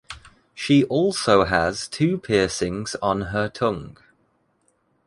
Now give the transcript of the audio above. She also has two piercings on her tongue.